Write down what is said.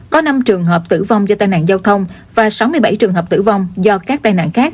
có năm trường hợp tử vong do tai nạn giao thông và sáu mươi bảy trường hợp tử vong do các tai nạn khác